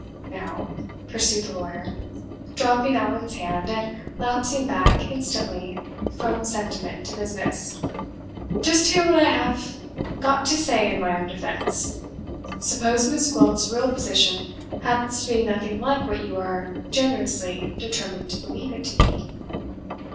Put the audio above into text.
Now," pursued the lawyer, dropping Allan's hand, and lapsing back instantly from sentiment to business, "just hear what I have got to say in my own defense. Suppose Miss Gwilt's real position happens to be nothing like what you are generously determined to believe it to be?"